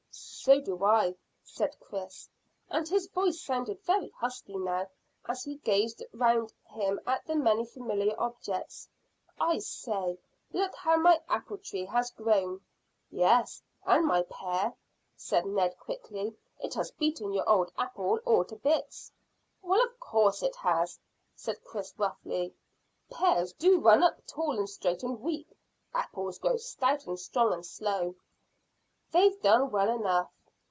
"So do I," said Chris, and his voice sounded very husky now as he gazed round him at the many familiar objects. "I say, look how my apple tree has grown!" "Yes, and my pear," said Ned quickly. "It has beaten your old apple all to bits." "Well, of course it has," said Chris roughly. "Pears do run up tall and straight and weak. Apples grow stout and strong and slow." "They've done well enough."